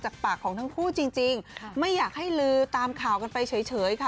จากปากของทั้งคู่จริงไม่อยากให้ลือตามข่าวกันไปเฉยค่ะ